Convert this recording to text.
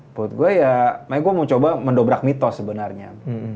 menurut gue ya makanya gue mau coba mendobrak mitos sebenarnya